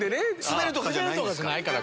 スベるとかじゃないですから。